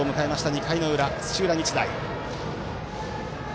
２回の裏、土浦日大。